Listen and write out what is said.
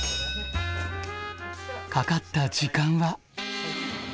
かかった時間は。